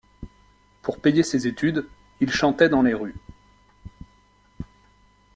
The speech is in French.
Pour payer ses études, il chantait dans les rues.